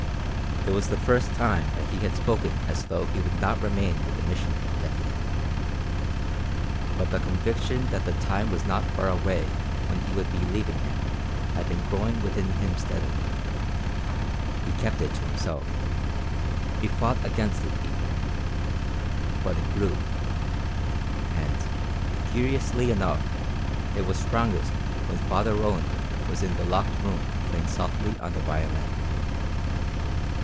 It was the first time that he had spoken as though he would not remain with the Missioner indefinitely. But the conviction that the time was not far away when he would be leaving him had been growing within him steadily. He kept it to himself. He fought against it even. But it grew. And, curiously enough, it was strongest when Father Roland was in the locked room playing softly on the violin.